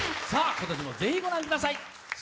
今年もぜひ御覧ください。